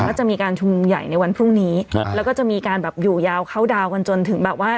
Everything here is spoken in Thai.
แต่ว่าจะมีการชูมนุมใหญ่ในวันพรุ่งหนี้และก็จะมีการอยู่ยาวเข้าดาวขึ้นจนถึง